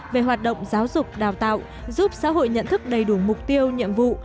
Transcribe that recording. về hoạt động giáo dục đào tạo giúp xã hội nhận thức đầy đủ mục tiêu nhiệm vụ